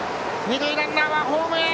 二塁ランナーはホームへ！